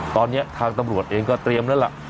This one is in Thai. ตอนนี้ทางตำรวจเองก็เตรียมนั่นแหละ